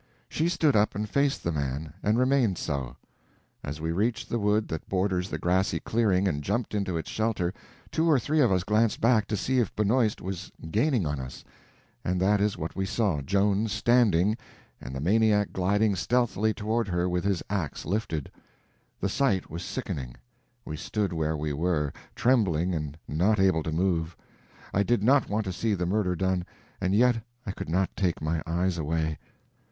She stood up and faced the man, and remained so. As we reached the wood that borders the grassy clearing and jumped into its shelter, two or three of us glanced back to see if Benoist was gaining on us, and that is what we saw—Joan standing, and the maniac gliding stealthily toward her with his ax lifted. The sight was sickening. We stood where we were, trembling and not able to move. I did not want to see the murder done, and yet I could not take my eyes away.